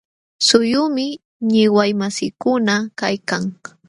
Suquyuqmi wiñaymasiikuna kaykan.